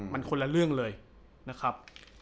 มันคนละเรื่องเลยนะครับ